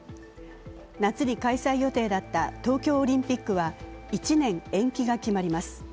夏に開催予定だった東京オリンピックは１年延期が決まります。